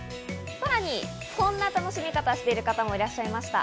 さらにこんな楽しみ方をしている方もいらっしゃいました。